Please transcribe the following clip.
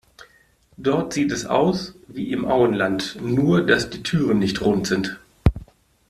Dort sieht es aus wie im Auenland, nur dass die Türen nicht rund sind.